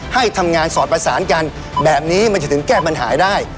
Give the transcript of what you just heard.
ให้ทำงานสอดประสานกันแบบนี้มันจะถึงแก้ปัญหาได้